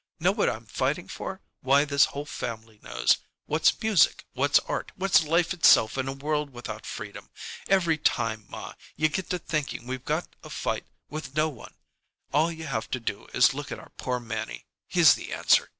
Know what I'm fighting for? Why, this whole family knows! What's music, what's art, what's life itself in a world without freedom? Every time, ma, you get to thinking we've got a fight with no one, all you have to do is look at our poor Mannie. He's the answer.